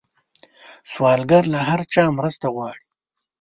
سوالګر له هر چا مرسته غواړي